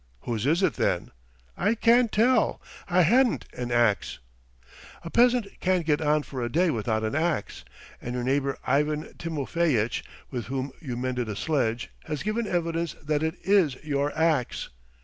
"Whose is it, then?" "I can't tell ... I hadn't an axe. ..." "A peasant can't get on for a day without an axe. And your neighbour Ivan Timofeyitch, with whom you mended a sledge, has given evidence that it is your axe.